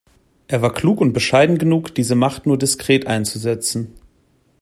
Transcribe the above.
Er war klug und bescheiden genug, diese Macht nur diskret einzusetzen.